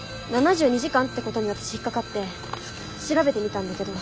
７２時間ってことに私引っ掛かって調べてみたんだけど。